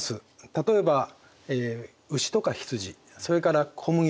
例えば牛とか羊それから小麦ですね。